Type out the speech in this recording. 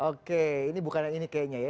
oke ini bukan ini kayaknya ya